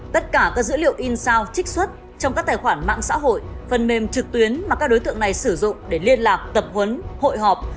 tất cả các dữ liệu in sao trích xuất trong các tài khoản mạng xã hội phần mềm trực tuyến mà các đối tượng này sử dụng để liên lạc tập huấn hội họp